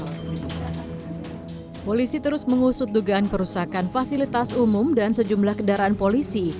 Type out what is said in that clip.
hai polisi terus mengusut dugaan perusahaan fasilitas umum dan sejumlah kedaraan polisi